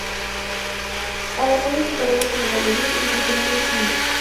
A la par de su carrera como bailarín, incursionó en el cine.